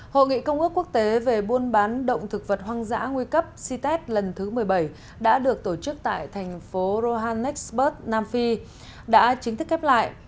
hội nghị công ước quốc tế về buôn bán động thực vật hoang dã nguy cấp ct lần thứ một mươi bảy đã được tổ chức tại thành phố rohannesburg nam phi đã chính thức khép lại